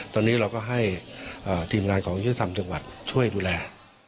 ตอนนี้เราก็ให้ทีมงานของยุทธธรรมจังหวัดช่วยดูแล